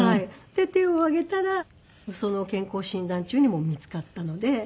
で手を挙げたらその健康診断中に見つかったので。